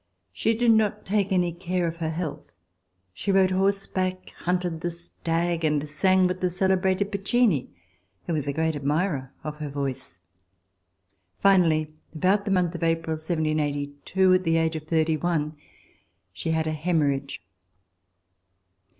She' did not take any care of her health. She rode horseback, hunted the stag, and sang with the celebrated Piccini, who was a great admirer of her voice. Finally, about the month of April, 1782, at the age of thirty one, she had a hemorrhage.